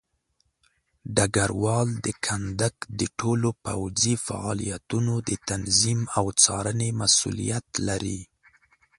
ډګروال د کندک د ټولو پوځي فعالیتونو د تنظیم او څارنې مسوولیت لري.